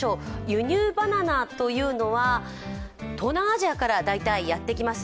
輸入バナナというのは東南アジアからやってきます